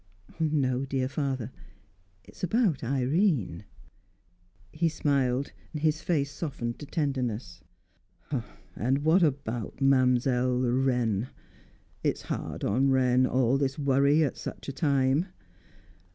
"No, dear father. It's about Irene." He smiled; his face softened to tenderness. "And what about Mam'zelle Wren? It's hard on Wren, all this worry at such a time."